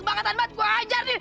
bangetan banget gue ajar dia